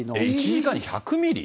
１時間に１００ミリ？